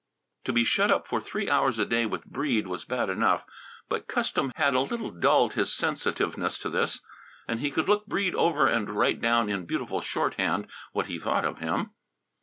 To be shut up for three hours a day with Breede was bad enough, but custom had a little dulled his sensitiveness to this. And he could look Breede over and write down in beautiful shorthand what he thought of him.